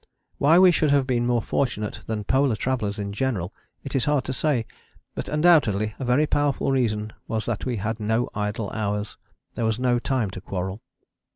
Why we should have been more fortunate than polar travellers in general it is hard to say, but undoubtedly a very powerful reason was that we had no idle hours: there was no time to quarrel.